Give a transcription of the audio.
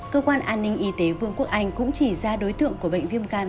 cơ quan an ninh y tế vương quốc anh cũng chỉ ra đối tượng của bệnh viêm gan